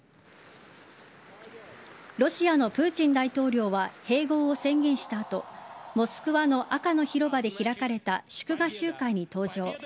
ロシアのプーチン大統領は併合を宣言した後モスクワの赤の広場で開かれた祝賀集会に登場。